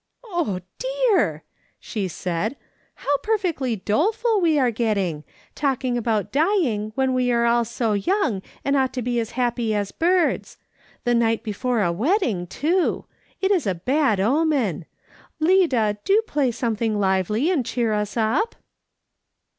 " Oh, dear V she said, " how perfectly doleful we are getting ! Talking about dying when we are all so "/ DO DISLIKE SCENES." 147 young, and ought to be as liappy as birds. The night before a wedding, too. It is a bad omen. Lida, do play something lively and cheer us up